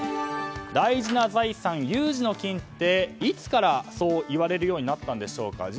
大事な財産、有事の金っていつからそう言われるようになったんでしょうか？